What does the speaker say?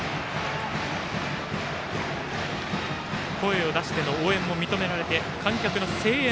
声を出しての応援も認められて観客の声援